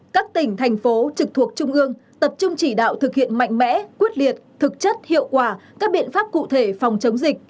các tỉnh thành phố trực thuộc trung ương tập trung chỉ đạo thực hiện mạnh mẽ quyết liệt thực chất hiệu quả các biện pháp cụ thể phòng chống dịch